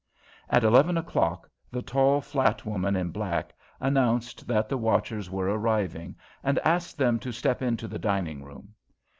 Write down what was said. At eleven o'clock the tall, flat woman in black announced that the watchers were arriving, and asked them to "step into the dining room."